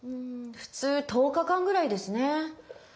普通１０日間ぐらいですね。